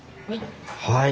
はい。